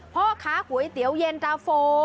พ่อค้าก๋วยเตี๋ยวเย็นตาโฟ